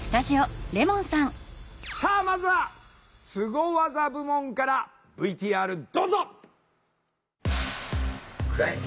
さあまずはスゴ技部門からＶＴＲどうぞ！